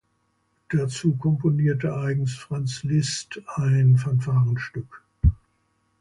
Dazu komponierte eigens Franz Liszt ein Fanfarenstück.